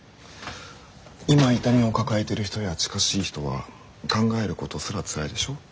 今痛みを抱えてる人や近しい人は考えることすらつらいでしょ？